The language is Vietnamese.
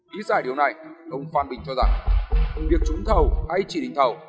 ý giải điều này ông phan bình cho rằng việc trúng thầu hay chỉ đình thầu